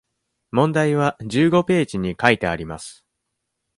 問題は十五ページに書いてあります。